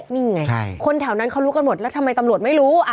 นี่ไงคนแถวนั้นเขารู้กันหมดแล้วทำไมตำรวจไม่รู้